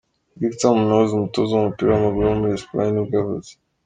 Víctor Muñoz, umutoza w’umupira w’amaguru wo muri Espagne nibwo yavutse.